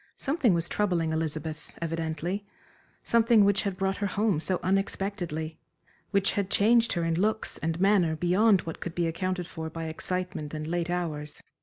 Something was troubling Elizabeth, evidently; something which had brought her home so unexpectedly, which had changed her in looks and manner beyond what could be accounted for by excitement and late hours.